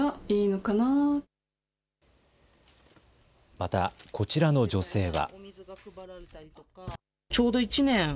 またこちらの女性は。